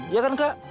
iya kan kak